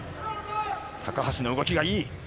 高橋の動きがいい。